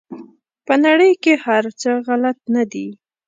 په نړۍ کې هر څه غلط نه دي.